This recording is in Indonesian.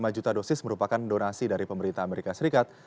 lima juta dosis merupakan donasi dari pemerintah amerika serikat